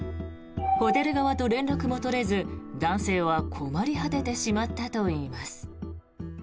ホテル側と連絡も取れず、男性は困り果ててしまったといいます。